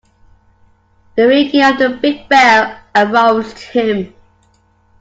The ringing of the big bell aroused him.